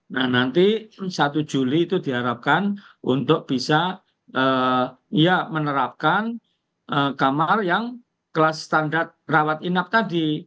nah nanti satu juli itu diharapkan untuk bisa ya menerapkan kamar yang kelas standar rawat inap tadi